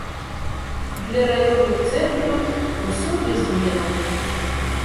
Для раённых цэнтраў усё без зменаў.